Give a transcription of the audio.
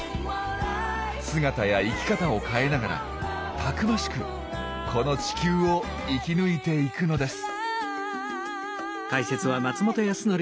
姿や生き方を変えながらたくましくこの地球を生き抜いていくのです。